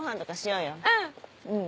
うん！